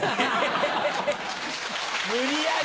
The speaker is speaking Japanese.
無理やり！